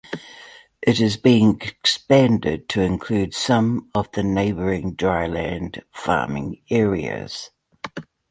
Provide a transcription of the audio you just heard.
It is being expanded to include some of the neighbouring dryland farming areas.